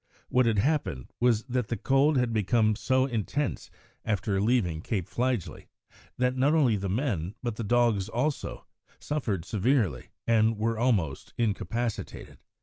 What had happened was that the cold had become so intense, after leaving Cape Fligely, that not only the men, but the dogs also, suffered severely, and were almost incapacitated.